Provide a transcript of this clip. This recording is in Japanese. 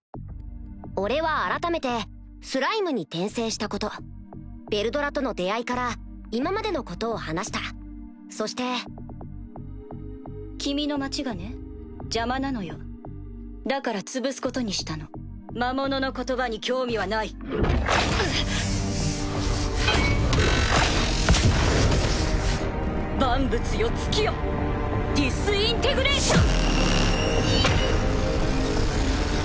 俺は改めてスライムに転生したことヴェルドラとの出会いから今までのことを話したそして君の町がね邪魔なのよだからつぶすことにしたの魔物の言葉に興味はないうっ万物よ尽きよディスインテグレーション！